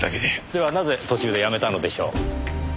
ではなぜ途中でやめたのでしょう？